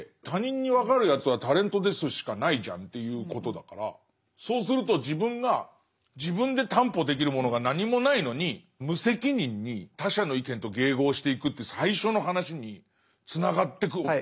他人に分かるやつは「タレントです」しかないじゃんっていうことだからそうすると自分が自分で担保できるものが何もないのに無責任に他者の意見と迎合していくって最初の話につながってく。